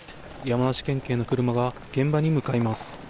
山梨県警の車が現場に向かいます。